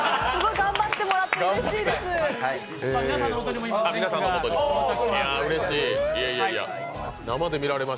頑張ってもらって、うれしいです。